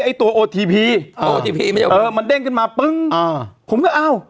ไอ้ตัวอทีพีอ่าอทีพีอ่ามันเด้งขึ้นมาปึ๊งอัอผมก็อ้าว